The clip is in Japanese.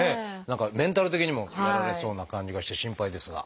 何かメンタル的にもやられそうな感じがして心配ですが。